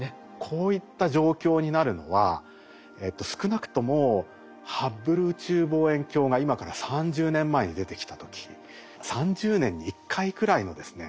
こういった状況になるのは少なくともハッブル宇宙望遠鏡が今から３０年前に出てきた時３０年に１回くらいのですね